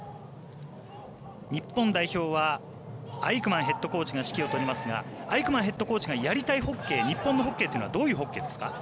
日本代表はアイクマンヘッドコーチが指揮を執りますがアイクマンヘッドコーチがやりたいホッケー日本のホッケーというのはどういうホッケーですか。